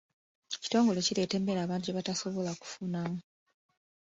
Ekitongole kireeta emmere abantu gye batasobola kufuna.